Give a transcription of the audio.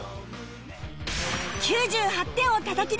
９８点をたたき出した北川